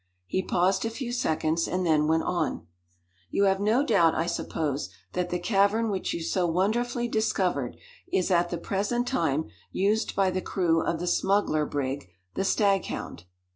He paused a few seconds, and then went on: "You have no doubt, I suppose, that the cavern which you so wonderfully discovered is, at the present time, used by the crew of the smuggler brig, the Staghound?"